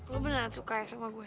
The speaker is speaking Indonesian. gue beneran suka sama gue